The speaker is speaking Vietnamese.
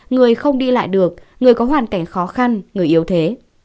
người không đi lại được người có hoàn cảnh khó khăn người yếu thế